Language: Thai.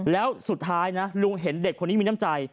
แล้วสุดท้ายนะลุงเห็นเด็กคนนี้มีน้ำใจ